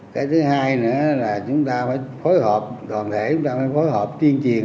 cái thứ hai nữa là chúng ta phải phối hợp còn thể chúng ta phải phối hợp tiên triền